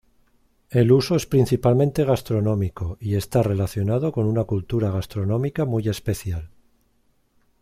El uso es principalmente gastronómico y está relacionado con una cultura gastronómica muy especial.